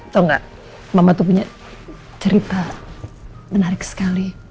tau gak mama tuh punya cerita menarik sekali